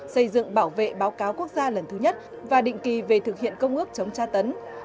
xây dựng bảo vệ báo cáo quốc gia lần thứ nhất và định kỳ về thực hiện công ước chống tra tấn